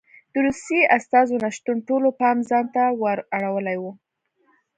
د روسیې استازو نه شتون ټولو پام ځان ته ور اړولی و